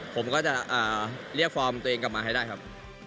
ผมก็จะเรียกฟอร์มตัวเองกลับมาให้ได้ครับ